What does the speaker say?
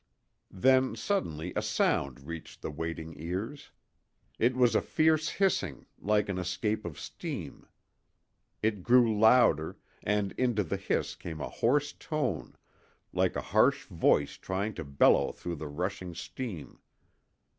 Then suddenly a sound reached the waiting ears. It was a fierce hissing, like an escape of steam. It grew louder, and into the hiss came a hoarse tone, like a harsh voice trying to bellow through the rushing steam.